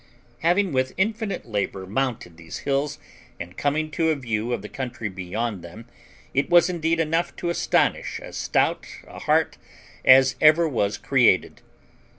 Having with infinite labour mounted these hills, and coming to a view of the country beyond them, it was indeed enough to astonish as stout a heart as ever was created.